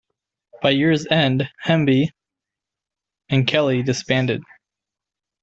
By year's end, Hemby and Kelley disbanded.